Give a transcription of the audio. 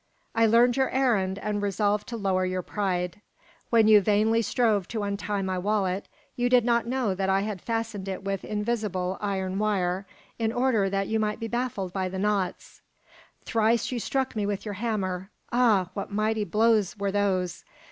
I learned your errand and resolved to lower your pride. When you vainly strove to untie my wallet, you did not know that I had fastened it with invisible iron wire, in order that you might be baffled by the knots. Thrice you struck me with your hammer, ah! what mighty blows were those!